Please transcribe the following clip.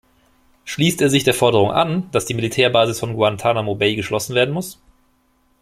Schließt er sich der Forderung an, dass die Militärbasis von Guantanamo-Bay geschlossen werden muss?